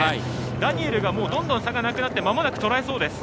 ダニエルがどんどん差がなくなりまもなく、とらえそうです。